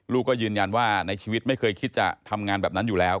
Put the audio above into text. ก็ยืนยันว่าในชีวิตไม่เคยคิดจะทำงานแบบนั้นอยู่แล้ว